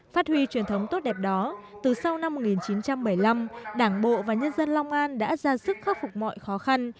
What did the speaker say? phát huy truyền thống tốt đẹp đó từ sau năm một nghìn chín trăm bảy mươi năm đảng bộ và nhân dân long an đã ra sức khắc phục mọi khó khăn